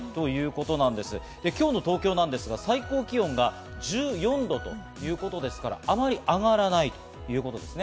今日の東京なんですが、最高気温が１４度ということですから、あまり上がらないということです。